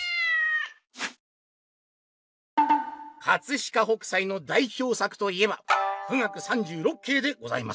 「飾北斎のだいひょう作といえば『冨嶽三十六景』でございます。